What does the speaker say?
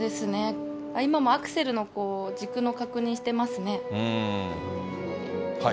今もアクセルの、軸の確認をしてますね。